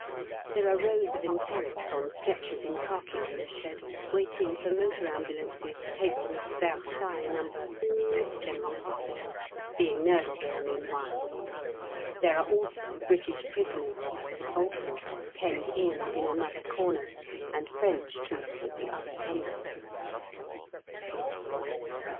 There are rows of enterics on stretchers in khaki in this shed, waiting for motor ambulances to take them to Versailles No. G.H., being nursed here meanwhile. There are also British prisoners (defaulters) penned in in another corner, and French troops at the other end!